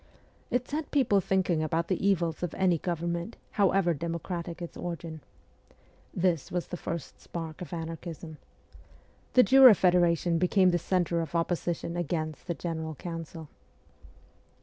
It set people thinking about the evils of any government, however democratic its origin. This was the first spark of anarchism. The Jura Federation became the centre of opposition against the general council.